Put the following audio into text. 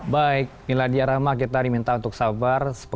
baik milady arama kita diminta untuk sabar